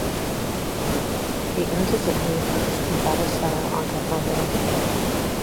He earned his nickname for his combative style on Capitol Hill.